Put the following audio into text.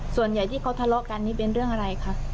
ส่วนใหญ่ที่เขาทะเลาะกันนี่เป็นเรื่องอะไรคะ